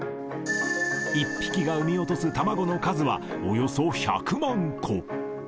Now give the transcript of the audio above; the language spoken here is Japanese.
１匹が産み落とす卵の数はおよそ１００万個。